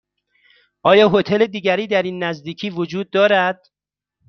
آیا هتل دیگری در این نزدیکی وجود دارد؟